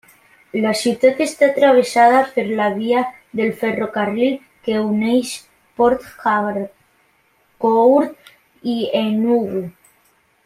La ciutat està travessada per la via de ferrocarril que uneix Port Harcourt i Enugu.